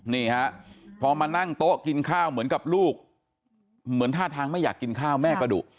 นี่ฮะพอมานั่งโต๊ะกินข้าวเหมือนกับลูกเหมือนท่าทางไม่อยากกินข้าวแม่กระดุ